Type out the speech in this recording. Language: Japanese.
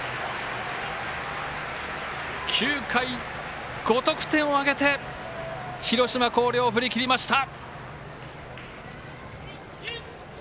９回、５得点を挙げて広島・広陵を振り切りました。